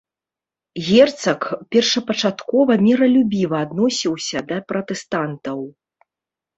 Герцаг першапачаткова міралюбіва адносіўся да пратэстантаў.